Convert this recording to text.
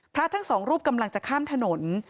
พระทั้งสองรูปกำลังจะข้ามถนน